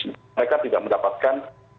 mereka tidak mendapatkan